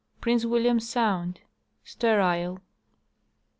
Prince William sound. Sterile.